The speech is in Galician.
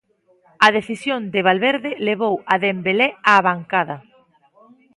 A decisión de Valverde levou a Dembelé á bancada.